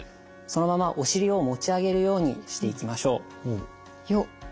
そのままお尻を持ち上げるようにしていきましょう。よ。